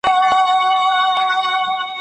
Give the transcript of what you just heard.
دوی په خپلو پښو ودرېدل او پرمختګ يې وکړ.